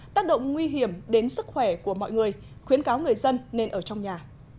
tác động nguy hiểm đến sức khỏe của mọi người khuyến cáo người dân nên ở trong nhà